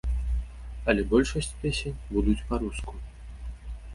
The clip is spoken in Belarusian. Але большасць песень будуць па-руску.